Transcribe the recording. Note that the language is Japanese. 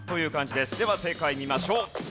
では正解見ましょう。